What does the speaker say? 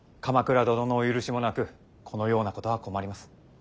鎌倉殿のお許しもなくこのようなことは困ります。